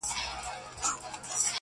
• هم شیرین، هم وېروونکی، لړزوونکی -